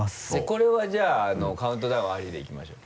これはじゃああのカウントダウンありでいきましょう。